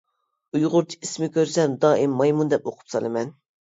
ئۇيغۇرچە ئىسمى كۆرسەم دائىم مايمۇن دەپ ئوقۇپ سالىمەن.